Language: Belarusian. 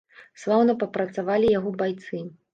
Слаўна папрацавалі яго байцы.